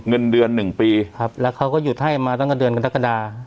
เงินเดือนหนึ่งปีครับแล้วเขาก็หยุดให้มาตั้งแต่เดือนกรกฎา